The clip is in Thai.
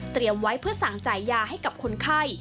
ไว้เพื่อสั่งจ่ายยาให้กับคนไข้